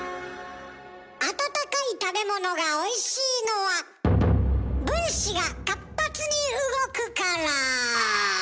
温かい食べ物がおいしいのは分子が活発に動くから。